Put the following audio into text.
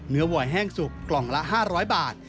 วอยแห้งสุกกล่องละ๕๐๐บาท